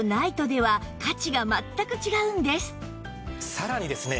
さらにですね